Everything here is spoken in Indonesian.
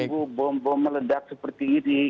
bidak terlalu bom bom meledak seperti ini